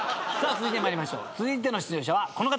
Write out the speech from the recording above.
続いての出場者はこの方。